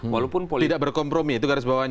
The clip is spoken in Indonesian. walaupun tidak berkompromi itu garis bawahnya